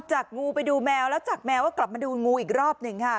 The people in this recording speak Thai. จากงูไปดูแมวแล้วจากแมวก็กลับมาดูงูอีกรอบหนึ่งค่ะ